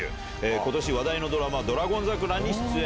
ことし話題のドラマ、ドラゴン桜に出演。